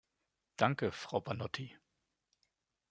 Danke, Frau Banotti.